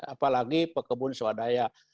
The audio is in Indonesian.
apalagi pekebun swadaya